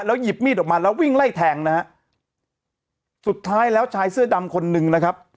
หยิบมีดออกมาแล้ววิ่งไล่แทงนะฮะสุดท้ายแล้วชายเสื้อดำคนนึงนะครับ